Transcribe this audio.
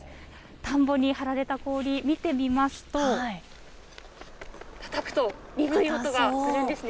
田んぼに張られた氷、見てみますと、たたくと鈍い音がするんですね。